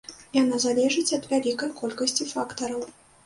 Яна залежыць ад вялікай колькасці фактараў.